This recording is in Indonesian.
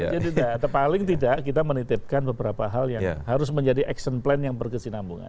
jadi tidak paling tidak kita menitipkan beberapa hal yang harus menjadi action plan yang berkesinambungan